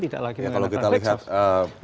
tidak lagi mengandalkan flexor